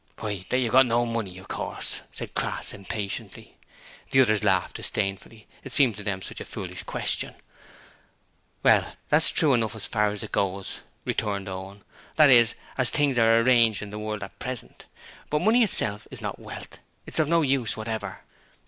'Why, if you've got no money, of course,' said Crass impatiently. The others laughed disdainfully. It seemed to them such a foolish question. 'Well, that's true enough as far as it goes,' returned Owen, 'that is, as things are arranged in the world at present. But money itself is not wealth: it's of no use whatever.'